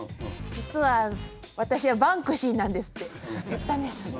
「実は私はバンクシーなんです」って言ったんです。